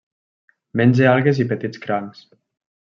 Menja algues i petits crancs.